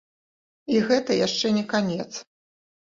І гэта яшчэ не канец.